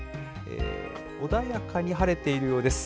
穏やかに晴れているようです。